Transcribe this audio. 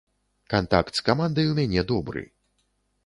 Кантакт з камандай у мяне добры.